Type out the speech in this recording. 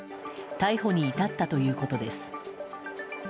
逮捕に至ったということです。